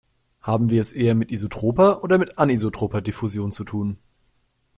Haben wir es eher mit isotroper oder mit anisotroper Diffusion zu tun?